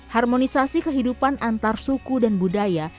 harmonisasi kehidupan antar suku dan budaya